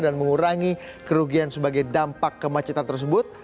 dan mengurangi kerugian sebagai dampak kemacetan tersebut